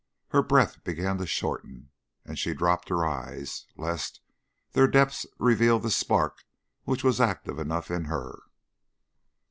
Her breath began to shorten, and she dropped her eyes, lest their depths reveal the spark which was active enough in her.